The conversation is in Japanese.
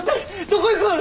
どこ行くん！